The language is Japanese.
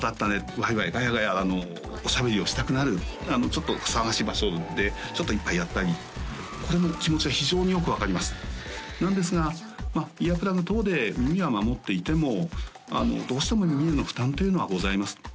ワイワイガヤガヤおしゃべりをしたくなるちょっと騒がしい場所でちょっと一杯やったりこれも気持ちは非常によく分かりますなのですがイヤープラグ等で耳は守っていてもどうしても耳への負担というのはございます